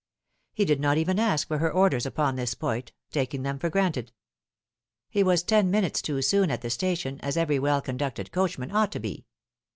He did not even ask for her orders upon this point, taking them for granted. He was ten minutes too soon at the station, as every well conducted coachman ought to be.